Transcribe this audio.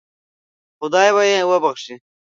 خدای به یې وبخشي.